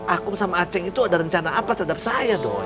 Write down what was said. akum sama acek itu ada rencana apa terhadap saya doi